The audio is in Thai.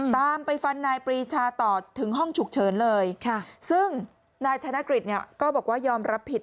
ตามไปฟันนายปรีชาต่อถึงห้องฉุกเฉินเลยซึ่งนายธนกฤษเนี่ยก็บอกว่ายอมรับผิด